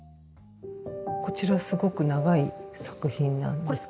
こちらすごく長い作品なんですけれども。